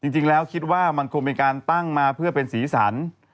จริงแล้วคิดว่ามันคงเป็นการตั้งมาเพื่อเป็นสีสัน